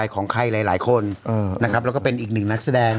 ของใครหลายคนนะครับแล้วก็เป็นอีกหนึ่งนักแสดง